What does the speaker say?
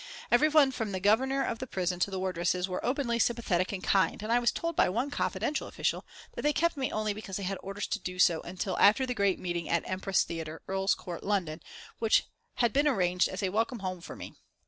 Everyone from the Governor of the prison to the wardresses were openly sympathetic and kind, and I was told by one confidential official that they kept me only because they had orders to do so until after the great meeting at Empress Theatre, Earls Court, London, which had been arranged as a welcome home for me.